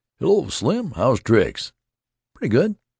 "Hello, Slim. How's tricks?" "Pretty good.